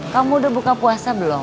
kamu udah buka puasa belum